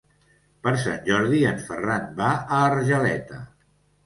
Per Sant Jordi en Ferran va a Argeleta.